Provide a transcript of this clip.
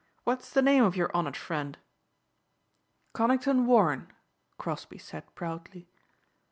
What is the name of your honored friend?" "Conington Warren," Crosbeigh said proudly.